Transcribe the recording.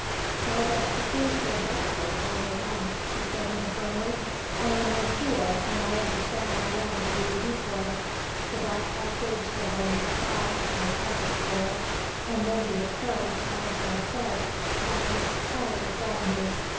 "Thou dost propose to abduct her, I know that," she said more firmly. "I am no fool, and I understand I am to be the decoy. The dark passage, the lonely spot, thy presence there ... and then the occurrence, as thou saidst, that might surprise or frighten me....